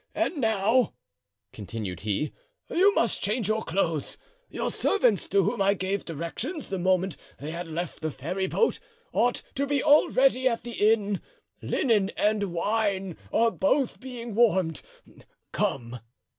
And now," continued he, "you must change your clothes; your servants, to whom I gave directions the moment they had left the ferryboat, ought to be already at the inn. Linen and wine are both being warmed; come."